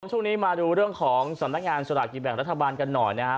ช่วงนี้มาดูเรื่องของสำนักงานสลากกินแบ่งรัฐบาลกันหน่อยนะครับ